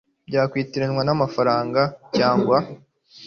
byakwitiranywa n amafaranga cyangwa